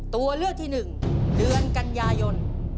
ตัวเลือกที่๑เดือนกันยายน